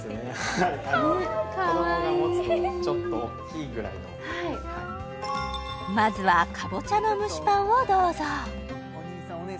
はい子どもが持つとちょっとおっきいぐらいのまずはかぼちゃの蒸しパンをどうぞへえ！